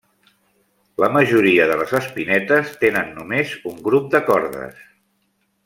La majoria de les espinetes tenen només un grup de cordes.